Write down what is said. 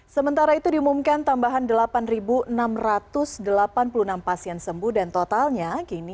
sementara itu diumumkan tambahan delapan enam ratus delapan puluh enam pasien sembuh dan totalnya